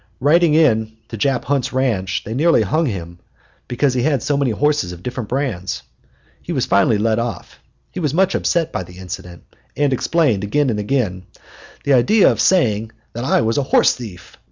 Riding into Jap Hunt's ranch, they nearly hung him because he had so many horses of different brands. He was finally let off. He was much upset by the incident, and explained again and again, "The idea of saying that I was a horse thief!